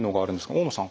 大野さん